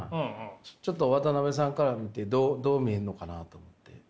ちょっと渡辺さんから見てどう見えるのかなと思って。